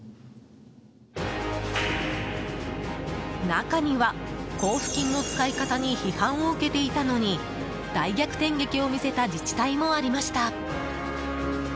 中には、交付金の使い方に批判を受けていたのに大逆転劇を見せた自治体もありました。